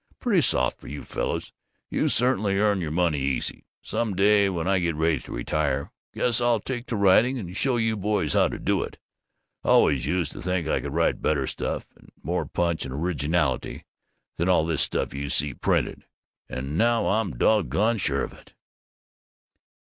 Pretty soft for you fellows; you certainly earn your money easy! Some day when I get ready to retire, guess I'll take to writing and show you boys how to do it. I always used to think I could write better stuff, and more punch and originality, than all this stuff you see printed, and now I'm doggone sure of it!"